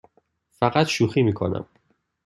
فقط شوخی می کنم.